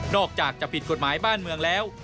อกจากจะผิดกฎหมายบ้านเมืองแล้ว